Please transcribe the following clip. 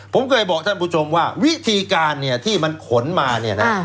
ผมเคยบอกท่านผู้ชมว่าวิธีการเนี่ยที่มันขนมาเนี่ยนะ